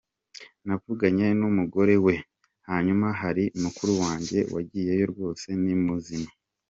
Navuganye n’umugore we, hanyuma hari mukuru wanjye wagiyeyo rwose nimuzima.